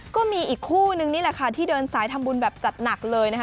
ก็มีอีกคู่นึงนี่แหละค่ะที่เดินสายทำบุญแบบจัดหนักเลยนะคะ